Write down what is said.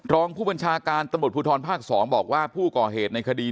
รองผู้บัญชาการตำรวจภูทรภาค๒บอกว่าผู้ก่อเหตุในคดี